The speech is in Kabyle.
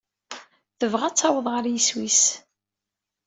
Tebɣa ad taweḍ ar yiswi-s.